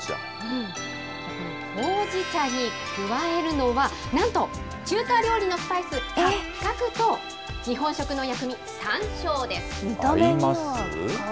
ほうじ茶に加えるのは、なんと中華料理のスパイス、八角と、日本食の薬味、さんしょうです。